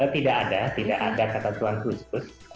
tidak ada tidak ada kata tuhan khusus